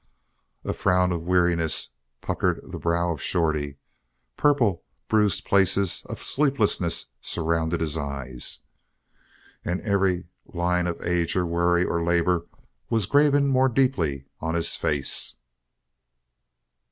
A frown of weariness puckered the brow of Shorty. Purple, bruised places of sleeplessness surrounded his eyes. And every line of age or worry or labor was graven more deeply on his face.